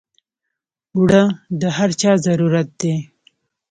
اوړه د هر چا ضرورت دی